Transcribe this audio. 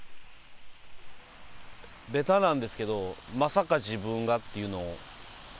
べたなんですけど、まさか自分がっていうのを。